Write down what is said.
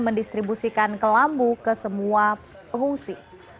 mendistribusikan kelambu ke semua pengungsi